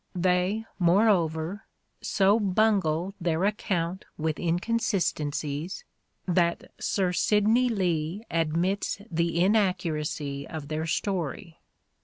They, moreover, so bungle their account with inconsistencies that Sir Sidney Lee admits the inaccuracy of their story.